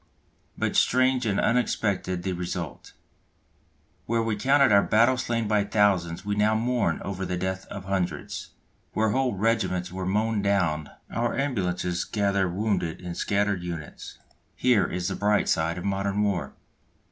But strange and unexpected the result! Where we counted our battle slain by thousands we now mourn over the death of hundreds; where whole regiments were mown down our ambulances gather wounded in scattered units. Here is the bright side of modern war.